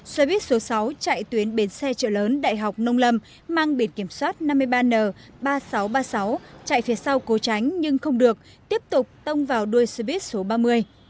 xe buýt số sáu chạy tuyến bến xe trợ lớn đại học nông lâm mang biển kiểm soát năm mươi ba n ba nghìn sáu trăm ba mươi sáu chạy phía sau cố tránh nhưng không được tiếp tục tông vào đuôi xe buýt số ba mươi